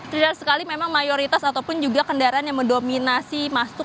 tidak sekali memang mayoritas ataupun juga kendaraan yang mendominasi masuk